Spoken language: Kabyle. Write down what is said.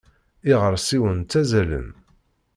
Iɣersiwen ttazzalen.